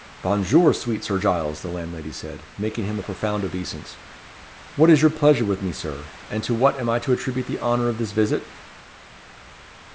"Bon jour, sweet Sir Giles," the landlady said, making him a profound obeisance. "What is your pleasure with me, Sir? And to what am I to attribute the honour of this visit?"